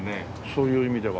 そういう意味では。